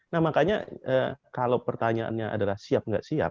nah makanya kalau pertanyaannya adalah siap atau tidak siap